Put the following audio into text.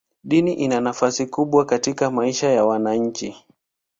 Dini ina nafasi kubwa katika maisha ya wananchi.